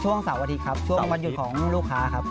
เสาร์อาทิตย์ครับช่วงวันหยุดของลูกค้าครับ